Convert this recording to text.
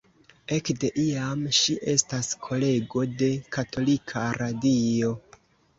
Ekde iam ŝi estas kolego de katolika radio.